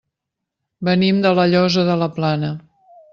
Venim de La Llosa de la Plana.